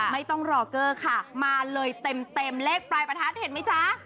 ไม่ต้องรอเกอร์ค่ะมาเลยเต็มเลขปลายประทัดเห็นไหมจ๊ะ